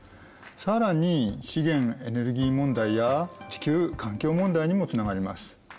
更に資源・エネルギー問題や地球環境問題にもつながります。